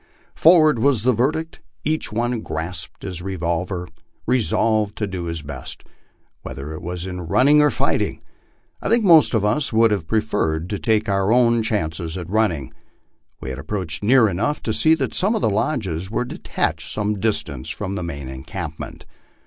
Forward was the verdict. Each one grasped his revolver, resolved to do nis best, whether it was in running or fighting. I think most of us would have preferred to take our own chances at running. We had approached near enough to see that some of the lodges were detached some distance from the main encampment.